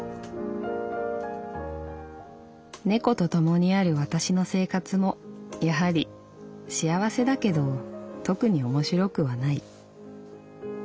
「猫と共にある私の生活もやはり幸せだけど特におもしろくはない」。